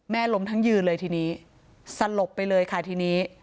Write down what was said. ล้มทั้งยืนเลยทีนี้สลบไปเลยค่ะทีนี้